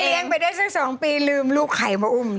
เลี้ยงไปได้สัก๒ปีลืมลูกใครมาอุ้ม